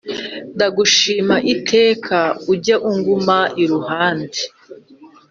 Ndagushima iteka ujye unguma iruhande